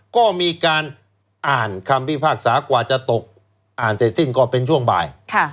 ก็มีการอ่านคำพิพากษากว่าจะตกอ่านเสร็จสิ้นก็เป็นช่วงบ่าย